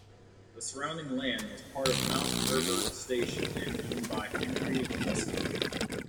The surrounding land was part of Mount Herbert station and owned by Henry Russell.